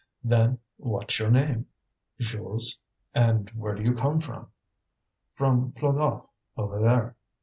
"Then what's your name?" "Jules." "And where do you come from?" "From Plogof, over there."